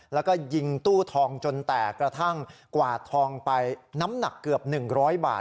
แล้วก็ยิงตู้ทองจนแตกกระทั่งกวาดทองไปน้ำหนักเกือบ๑๐๐บาท